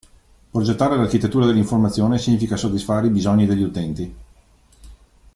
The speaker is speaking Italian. Progettare l'architettura dell'informazione significa soddisfare i bisogni degli utenti.